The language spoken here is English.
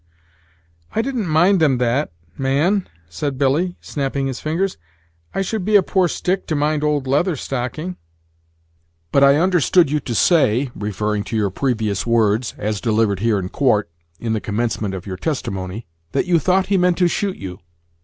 "I didn't mind them that, man," said Billy, snapping his fingers; "I should be a poor stick to mind old Leather Stocking." "But I understood you to say (referring to your previous words [as delivered here in court] in the commencement of your testimony) that you thought he meant to shoot you?"